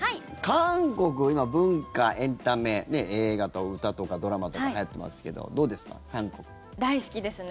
韓国の文化、エンタメ映画と歌とかドラマとかはやってますけど大好きですね。